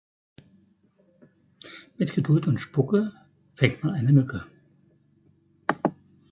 Mit Geduld und Spucke, fängt man eine Mücke.